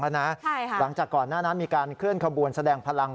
หลังจากก่อนหน้านั้นมีการเคลื่อนขบวนแสดงพลัง